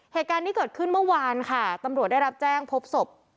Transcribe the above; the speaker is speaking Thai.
เหตุการณ์นี้เกิดขึ้นเมื่อวานค่ะตำรวจได้รับแจ้งพบศพ